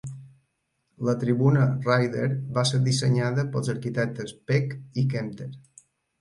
La tribuna Ryder va ser dissenyada pels arquitectes Peck i Kemter.